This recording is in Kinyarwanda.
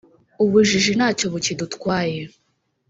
ubujiji ntacyo bukidutwaye